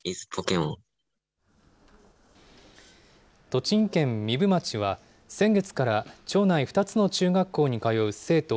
栃木県壬生町は、先月から町内２つの中学校に通う生徒